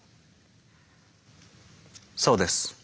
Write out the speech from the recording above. そうです。